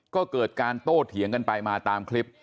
ก็เกิดการโต้เถียงกันไปมาตามคลิป